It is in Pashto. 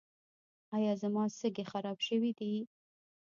ایا زما سږي خراب شوي دي؟